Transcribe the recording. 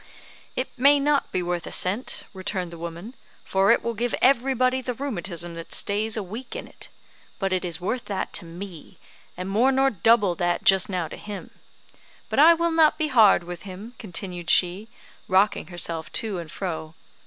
"It may not be worth a cent," returned the woman; "for it will give everybody the rheumatism that stays a week in it but it is worth that to me, and more nor double that just now to him. But I will not be hard with him," continued she, rocking herself to and fro.